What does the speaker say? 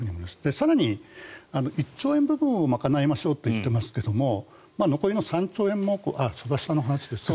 更に１兆円部分を賄いましょうと言っていますが残りの３兆円もその下の話ですが。